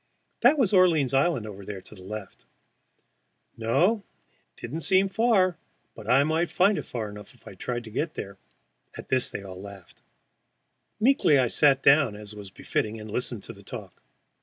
That was Orleans Island there to the left. No, it did not seem far, but I might find it far enough if I tried to get there. At this they all laughed. Meekly I sat down, as was befitting, and listened to the talk.